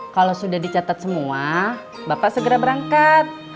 kalau sudah dicatat semua bapak segera berangkat